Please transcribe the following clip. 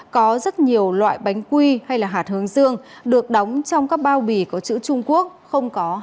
có rất nhiều loại bánh quy hay hạt hướng dương được đóng trong các bao bì có chữ trung quốc không có hạn sử dụng